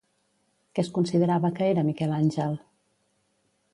Què es considerava que era Miquel Àngel?